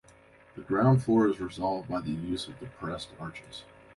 The ground floor is resolved by the use of depressed arches.